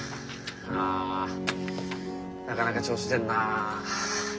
ああなかなか調子出んなあ。